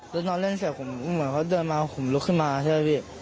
แล้วนอนเล่นเสร็จผมเหมือนเขาเดินมาผมลุกขึ้นมาใช่ไหมพี่